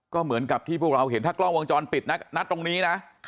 ก็เหมือนกับที่พวกเราเห็นถ้ากล้องวงจรปิดนัดตรงนี้นะ